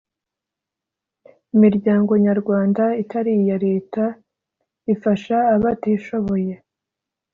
imiryango nyarwanda itari iya Leta ifasha abatishoboye